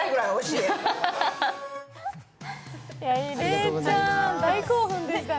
礼ちゃん、みんな大興奮でしたね。